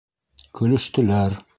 Көлөштөләр.